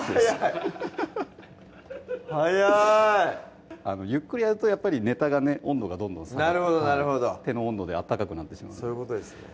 フフフフッ早いゆっくりやるとやっぱりネタがね温度がどんどんなるほどなるほど手の温度で温かくなってしまうそういうことですね